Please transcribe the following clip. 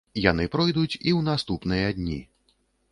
Яны пройдуць і ў наступныя дні.